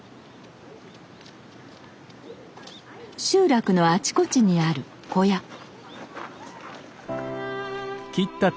集落のあちこちにある小屋。